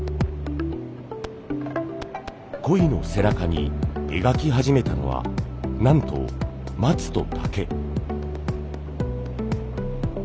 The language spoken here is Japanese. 鯉の背中に描き始めたのはなんと松と竹。